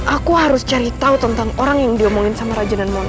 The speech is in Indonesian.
aku harus cari tahu tentang orang yang diomongin sama raja dan mona